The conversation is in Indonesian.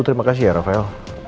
terima kasih ya rafael